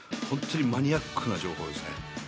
本当にマニアックな情報ですね。